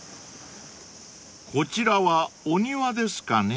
［こちらはお庭ですかね］